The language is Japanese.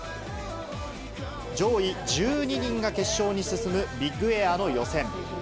上位１２人が決勝に進むビッグエアの予選。